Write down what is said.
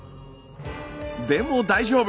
でも大丈夫。